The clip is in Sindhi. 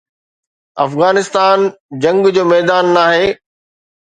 افغانستان جنگ جو ميدان ناهي.